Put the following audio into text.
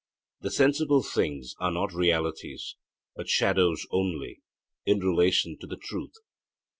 The sensible things are not realities, but shadows only, in relation to the truth.'